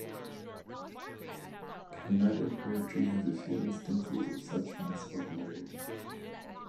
Kannada poetry has a few instances of such mass popularity.